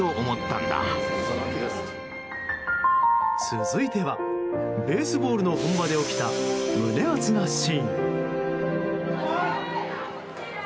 続いてはベースボールの本場で起きた胸アツなシーン。